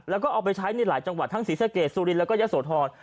แล้วก็เอาไปใช้ในหลายจังหวัดทั้งศรีสะเกดสุรินแล้วก็ยะโสธร